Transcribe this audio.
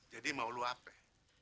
jadi mau lo apa